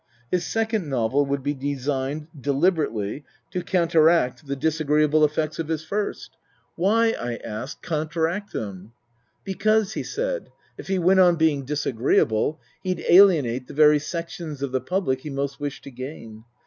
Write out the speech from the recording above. His second novel would be designed, deliberately, to counteract the disagreeable effects of his first. " Why," I asked, " counteract them ?" Because, he said, if he went on being disagreeable, he'd alienate the very sections of the public he most wished to gain.